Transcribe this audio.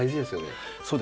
そうですね。